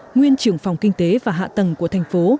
nguyên trưởng phòng kinh tế và hạ tầng của thành phố